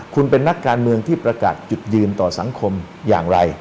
คุณเป็นนักการเมืองที่ประกาศจุดยืนต่อสังคมอย่างไร